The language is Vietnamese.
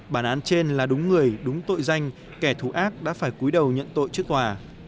bản án trên là đúng người đúng tội danh kẻ thù ác đã phải cuối đầu nhận tội trước tòa